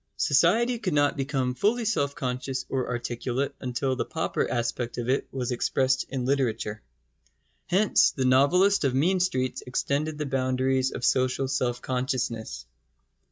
Society could not become fully self conscious or articulate until the pauper aspect of it was expressed in literature. Hence the novelist of mean streets extended the boundaries of social self consciousness.